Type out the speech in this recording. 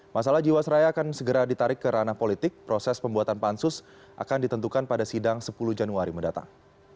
masalah jiwasraya akan segera ditarik ke ranah politik proses pembuatan pansus akan ditentukan pada sidang sepuluh januari mendatang